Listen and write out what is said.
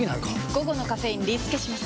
午後のカフェインリスケします！